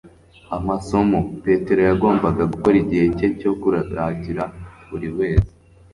amasomo. petero yagombaga gukora igihe cye cyo kuragira buriwese